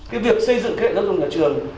cái việc xây dựng kế hoạch giáo dục nhà trường